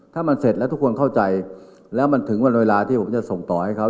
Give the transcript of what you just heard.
ถ้ามันเสร็จแล้วทุกคนเข้าใจแล้วมันถึงวันเวลาที่ผมจะส่งต่อให้เขา